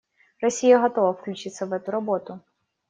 Россия готова включиться в эту работу.